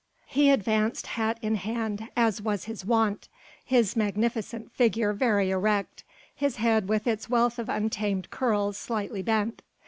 He advanced hat in hand as was his wont, his magnificent figure very erect, his head with its wealth of untamed curls slightly bent.